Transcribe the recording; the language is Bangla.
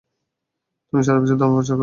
তুমি সারাবিশ্বে ধর্মপ্রচার করো।